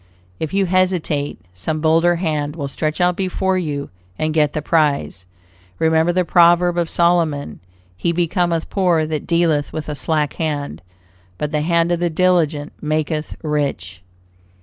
If you hesitate, some bolder hand will stretch out before you and get the prize. Remember the proverb of Solomon: "He becometh poor that dealeth with a slack hand; but the hand of the diligent maketh rich."